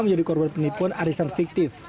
menjadi korban penipuan arisan fiktif